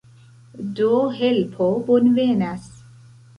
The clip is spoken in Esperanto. Do, helpo bonvenas.